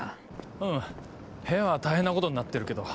うん部屋は大変なことになってるけど。